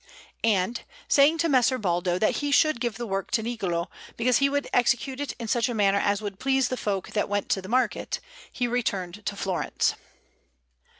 And, saying to Messer Baldo that he should give the work to Niccolò, because he would execute it in such a manner as would please the folk that went to market, he returned to Florence.